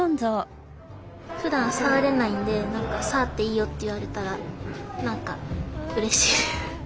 ふだんさわれないんで何かさわっていいよって言われたら何かうれしい。